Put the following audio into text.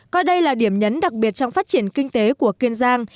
coi đây là điểm nhấn đặc biệt trong phát triển kinh tế của kiên giang